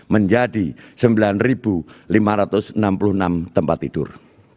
menjadi sembilan lima ratus enam puluh enam tempat tidur